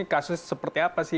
kasus seperti apa sih